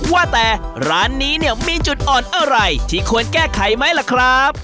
ว่าแต่ร้านนี้เนี่ยมีจุดอ่อนอะไรที่ควรแก้ไขไหมล่ะครับ